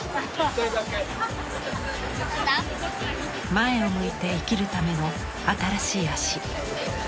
前を向いて生きるための新しい足。